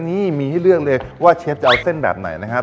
นี่มีให้เลือกเลยว่าเชฟจะเอาเส้นแบบไหนนะครับ